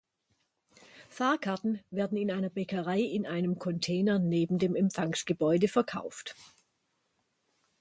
Fahrkarten werden in einer Bäckerei in einem Container neben dem Empfangsgebäude verkauft.